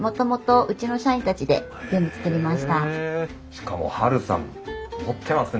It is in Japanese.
しかもハルさん持ってますね。